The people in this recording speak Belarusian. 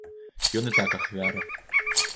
Ён і так ахвяра.